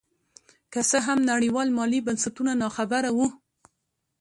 که څه هم نړیوال مالي بنسټونه نا خبره وو.